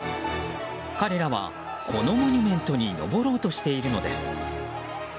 彼らはこのモニュメントに登ろうとしているのです。